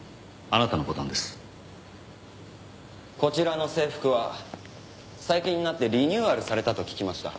こちらの制服は最近になってリニューアルされたと聞きました。